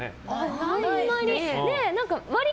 あんまり。